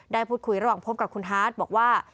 ได้พูดคุยระหว่างพบกับคุณฮาร์ดบอกว่า